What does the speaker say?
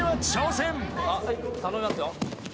頼みますよ。